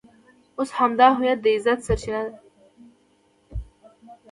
اوس همدا هویت د عزت سرچینه ده.